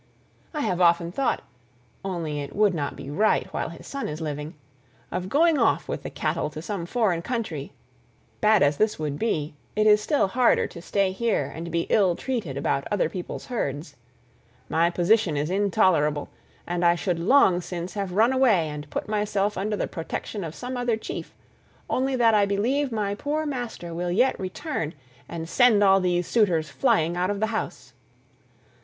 I have often thought—only it would not be right while his son is living—of going off with the cattle to some foreign country; bad as this would be, it is still harder to stay here and be ill treated about other people's herds. My position is intolerable, and I should long since have run away and put myself under the protection of some other chief, only that I believe my poor master will yet return, and send all these suitors flying out of the house."